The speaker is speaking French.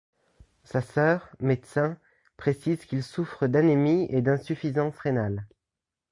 Sa sœur, médecin, précise qu'il souffre d'anémie et d'insuffisance rénale.